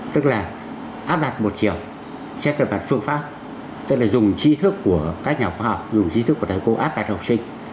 tức là áp đặt một chiều sẽ cơ bản phương pháp tức là dùng trí thức của các nhà khoa học dùng trí thức của thầy cô áp đặt học sinh